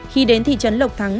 khi đến thị trấn lộc thắng